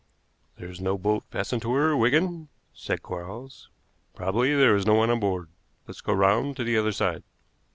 "There's no boat fastened to her, Wigan," said Quarles. "Probably there is no one on board. Let's go round to the other side."